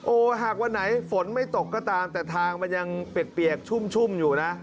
โอ้โหหากวันไหนฝนไม่ตกก็ตามแต่ทางมันยังเปียกชุ่มอยู่นะ